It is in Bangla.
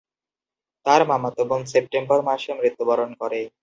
তার মামাতো বোন সেপ্টেম্বর মাসে মৃত্যুবরণ করে।